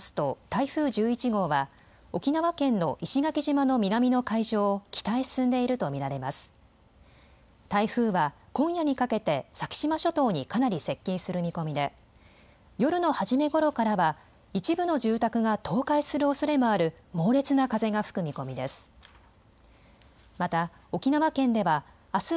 台風は今夜にかけて先島諸島にかなり接近する見込みで夜の初めごろからは一部の住宅が倒壊するおそれもある猛烈な風が吹く見込みです。